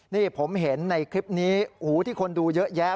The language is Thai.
นี่ผมเห็นในคลิปนี้หูที่คนดูเยอะแยะ